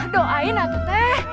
doain atu teh